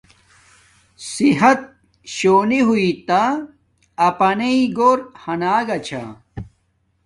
صحت شونی ہوݵݷ تا اپانݵ گھور ہاناگا چھا